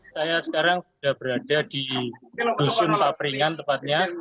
saya sekarang sudah berada di dusun papringan tepatnya